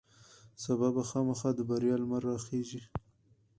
سبا به خامخا د بریا لمر راخیژي.